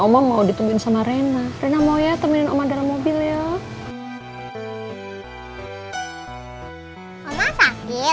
oma mau ditungguin sama rena rena mau ya temenin oma dalam mobil ya